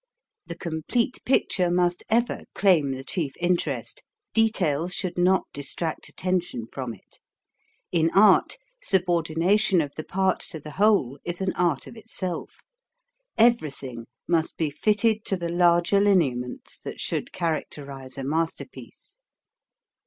The complete picture must ever claim the chief interest ; details should not distract attention from it. In art, subordination of the parts to the whole is an art of itself. Every 300 CONCERNING EXPRESSION 301 thing must be fitted to the larger lineaments that should characterize a masterpiece.